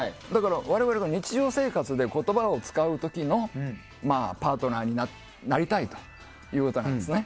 我々が日常生活で言葉を使う時のパートナーになりたいということです。